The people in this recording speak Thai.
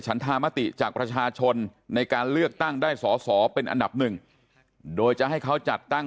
ธามติจากประชาชนในการเลือกตั้งได้สอสอเป็นอันดับหนึ่งโดยจะให้เขาจัดตั้ง